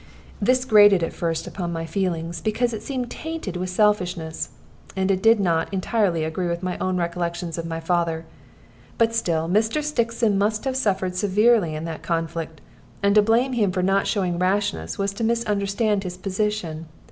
This grated at first upon my feelings, because it seemed tainted with selfishness, and it did not entirely agree with my own recollections of my father. But still Mr. Stixon must have suffered severely in that conflict, and to blame him for not showing rashness was to misunderstand his position.